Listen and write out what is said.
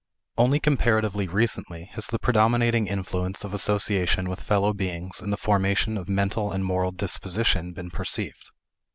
Only comparatively recently has the predominating influence of association with fellow beings in the formation of mental and moral disposition been perceived.